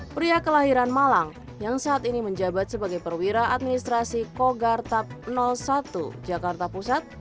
pria kelahiran malang yang saat ini menjabat sebagai perwira administrasi kogartap satu jakarta pusat